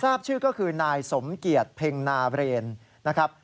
ทราบชื่อก็คือนายสมเกียจเพ็งนาเบรนนะครับ